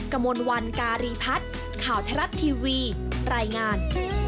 กระมวลวันการีพัฒน์ข่าวทรัฐทีวีรายงาน